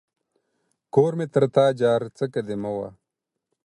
کور مې تر تا جار ، څکه دي مه وه.